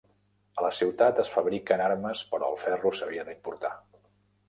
A la ciutat es fabricaven armes però el ferro s'havia d'importar.